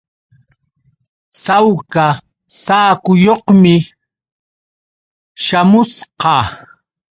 Sawka saakuyuqmi śhamusqa.